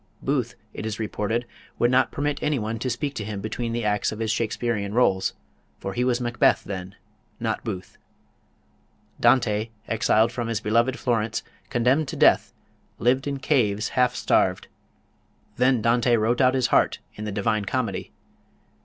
Booth, it is reported, would not permit anyone to speak to him between the acts of his Shakesperean rôles, for he was Macbeth then not Booth. Dante, exiled from his beloved Florence, condemned to death, lived in caves, half starved; then Dante wrote out his heart in "The Divine Comedy."